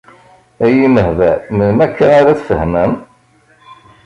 Ay imehbal, melmi akka ara tfehmem?